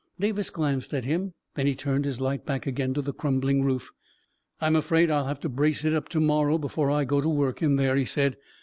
Davis glanced at him, then he turned his light back again to the crumbling roof. " I'm afraid I'll have to brace it up to morrow, before I go to work in there," he said.